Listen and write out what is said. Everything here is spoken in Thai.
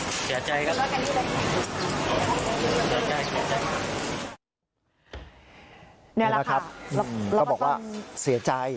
นี่แหละครับก็บอกว่าเสียใจ